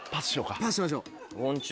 パスしましょう。